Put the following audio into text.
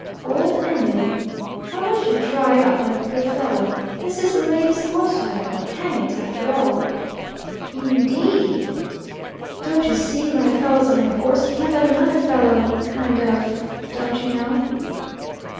"Old Em'ly '" "I wish you'd dry up, like a good fellow. This is the lady's horse, you know, hang it, after all." "In deed!" "Don't you see when a fellow's on a horse, he can't let another fellow kind of don't you know?"